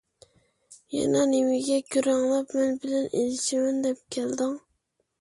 يەنە نېمەڭگە كۆرەڭلەپ مەن بىلەن ئېلىشىمەن دەپ كەلدىڭ؟